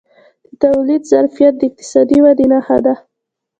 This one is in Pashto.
د تولید ظرفیت د اقتصادي ودې نښه ده.